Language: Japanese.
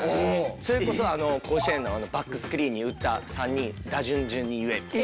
それこそ甲子園のバックスクリーンに打った３人打順順に言えとか。